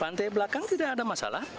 lantai belakang tidak ada masalah